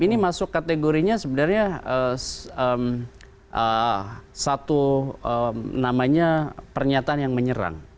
ini masuk kategorinya sebenarnya satu namanya pernyataan yang menyerang